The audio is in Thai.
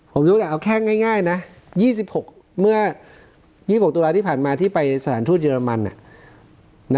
ผมจะเอาแค่ง่ายนะ๒๖ตัวละที่ผ่านมาที่ไปสถานทูตเยอรมัน